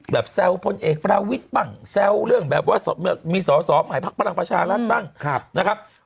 แบบแซวพลเอกประวิทธิ์ป่ะแซวเรื่องแบบว่ามีสอบหมายภาคประหลังประชารัฐบ้างนะครับ